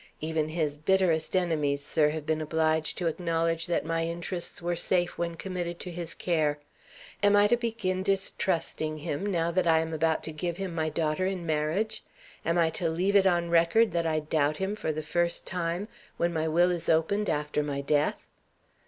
Even his bitterest enemies, sir, have been obliged to acknowledge that my interests were safe when committed to his care. Am I to begin distrusting him, now that I am about to give him my daughter in marriage? Am I to leave it on record that I doubt him for the first time when my Will is opened after my death?